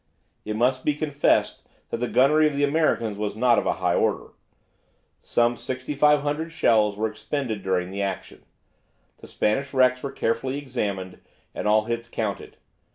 It must be confessed that the gunnery of the Americans was not of a high order. Some 6500 shells were expended during the action. The Spanish wrecks were carefully examined, and all hits counted.